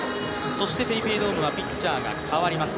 そしてＰａｙＰａｙドームはピッチャーが代わります。